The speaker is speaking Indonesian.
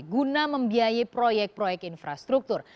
guna membiayai proyek proyek infrastruktur